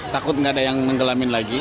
takut nggak ada yang menggelamin lagi